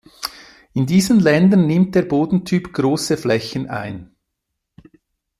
In diesen Ländern nimmt der Bodentyp große Flächen ein.